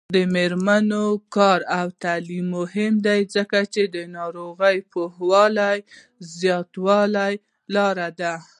د میرمنو کار او تعلیم مهم دی ځکه چې ناروغیو پوهاوي زیاتولو لاره ده.